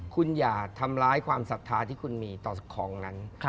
คุณอย่าทำร้ายความศรัทธาที่คุณมีต่อของนั้น